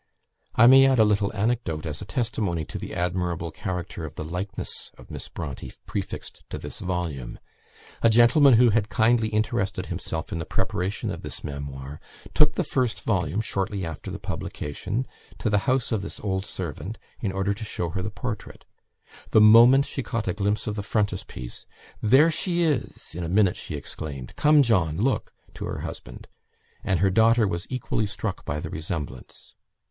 I may add a little anecdote as a testimony to the admirable character of the likeness of Miss Bronte prefixed to this volume. A gentleman who had kindly interested himself in the preparation of this memoir took the first volume, shortly after the publication, to the house of this old servant, in order to show her the portrait. The moment she caught a glimpse of the frontispiece, "There she is," in a minute she exclaimed. "Come, John, look!" (to her husband); and her daughter was equally struck by the resemblance.